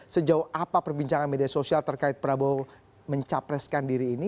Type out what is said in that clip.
sejauh apa perbincangan media sosial terkait prabowo mencapreskan diri ini